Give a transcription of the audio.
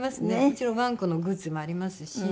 うちのワンコのグッズもありますし。